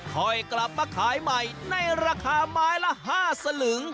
ค่อยกลับมาขายใหม่ในราคาไม้ละ๕สลึง